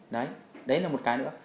đấy đấy là một cái nữa